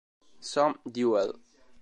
Some Duel